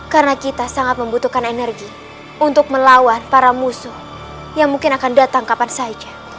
karena kita sangat membutuhkan energi untuk melawan para musuh yang mungkin akan datang kapan saja